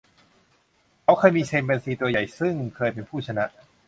เขาเคยมีชิมแปนซีตัวใหญ่ซึ่งเคยเป็นผู้ชนะ